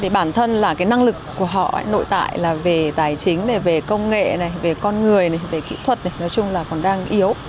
bản thân là năng lực của họ nội tại về tài chính về công nghệ về con người về kỹ thuật nói chung là còn đang yếu